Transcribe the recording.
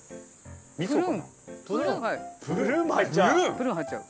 プルーンも入っちゃう？